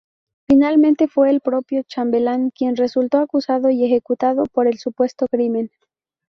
Finalmente fue el propio chambelán quien resultó acusado y ejecutado por el supuesto crimen.